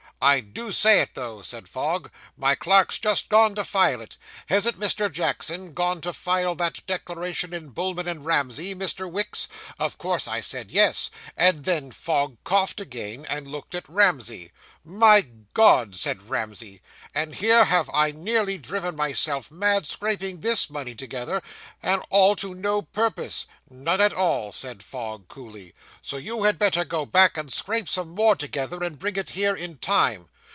"I do say it, though," said Fogg, "my clerk's just gone to file it. Hasn't Mr. Jackson gone to file that declaration in Bullman and Ramsey, Mr. Wicks?" Of course I said yes, and then Fogg coughed again, and looked at Ramsey. "My God!" said Ramsey; "and here have I nearly driven myself mad, scraping this money together, and all to no purpose." "None at all," said Fogg coolly; "so you had better go back and scrape some more together, and bring it here in time."